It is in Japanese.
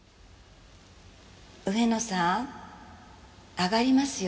上野さん上がりますよ。